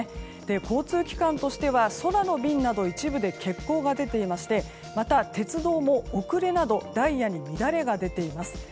交通機関としては空の便など一部で欠航が出ていましてまた鉄道も遅れなどダイヤに乱れが出ています。